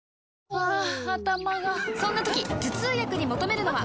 ハァ頭がそんな時頭痛薬に求めるのは？